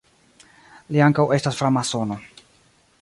Li ankaŭ estas framasono.